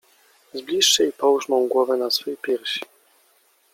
Zbliż się i połóż mą głowę na swej piersi.